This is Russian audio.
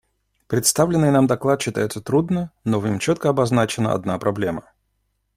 Представленный нам доклад читается трудно, но в нем четко обозначена одна проблема.